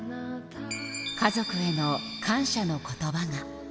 家族への感謝のことばが。